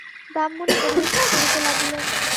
ব্রাহ্মণী পরিবেশন করিতে লাগিলেন।